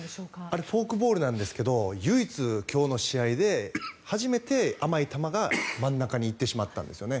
あれフォークボールなんですけど唯一、今日の試合で初めて甘い球が真ん中に行ってしまったんですよね。